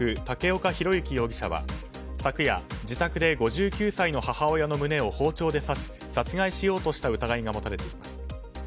武岡宏幸容疑者は昨夜、自宅で５９歳の母親の胸を包丁で刺し殺害しようとした疑いが持たれています。